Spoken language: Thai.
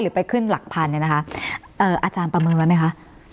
หรือไปขึ้นเรื่องขิดเดิมหลักพันธุ์เลยนะคะอจประมูลไว้ไหมคะ